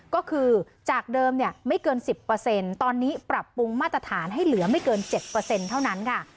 ก็คือจากเดิมไม่เกิน๑๐ตอนนี้ปรับปรุงมาตรฐานให้เหลือไม่เกิน๗เท่านั้นค่ะ